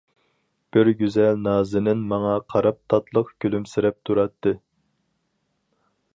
بىر گۈزەل نازىنىن ماڭا قاراپ تاتلىق كۈلۈمسىرەپ تۇراتتى.